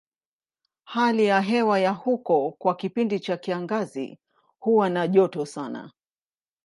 Hali ya hewa ya huko kwa kipindi cha kiangazi huwa na joto sana.